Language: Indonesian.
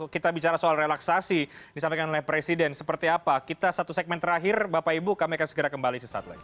kita bicara soal relaksasi disampaikan oleh presiden seperti apa kita satu segmen terakhir bapak ibu kami akan segera kembali sesaat lagi